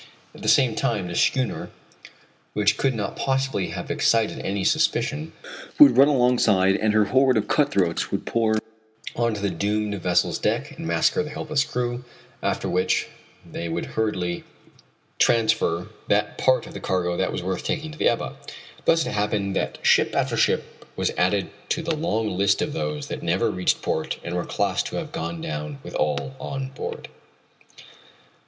At the same time the schooner which could not possibly have excited any suspicion, would run alongside and her horde of cutthroats would pour on to the doomed vessel's deck and massacre the helpless crew, after which they would hurriedly transfer that part of the cargo that was worth taking to the Ebba. Thus it happened that ship after ship was added to the long list of those that never reached port and were classed as having gone down with all on board.